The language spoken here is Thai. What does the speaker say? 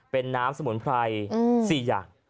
เป็นน้ำสมุนไพร๔อย่าง